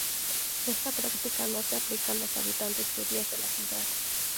Esta práctica no se aplica a los habitantes judíos de la ciudad.